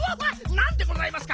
なんでございますか？